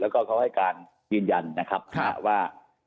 แล้วก็เขาให้การยืนยันนะครับว่า